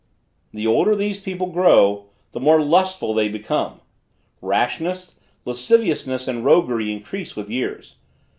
The older these people grow, the more lustful they become. Rashness, lasciviousness and roguery increase with years.